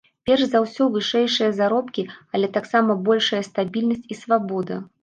Перш за ўсё вышэйшыя заробкі, але таксама большая стабільнасць і свабода.